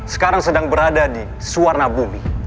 sekarang sedang berada di suara bumi